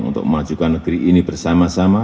untuk memajukan negeri ini bersama sama